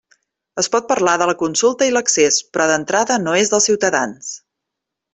Es pot parlar de la consulta i l'accés, però d'entrada no és dels ciutadans.